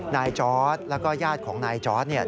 นายจอร์ทแล้วก็ญาติของนายจอร์ท